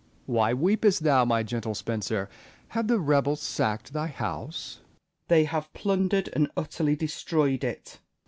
Why weepest thou, my gentle Spenser 1 Have the rebels sacked thy house 1 Spenser. They have plundered and utterly destroyed it.